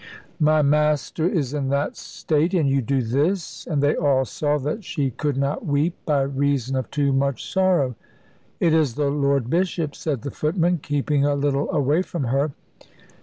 My master in that state and you do this!" And they all saw that she could not weep, by reason of too much sorrow. "It is the Lord Bishop," said the footman, keeping a little away from her.